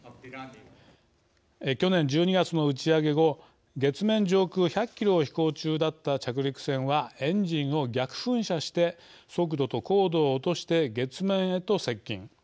去年１２月の打ち上げ後月面上空１００キロを飛行中だった着陸船はエンジンを逆噴射して速度と高度を落として月面へと接近。